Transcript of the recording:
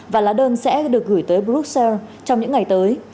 và lá đơn sẽ được gửi tới bruxelles trong những ngày tới